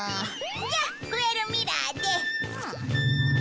じゃあフエルミラーで。